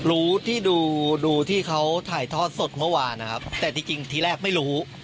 รู้ที่ดูดูที่เขาถ่ายทอดสดเมื่อวานนะครับแต่ที่จริงทีแรกไม่รู้